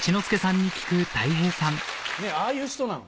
ねぇああいう人なの。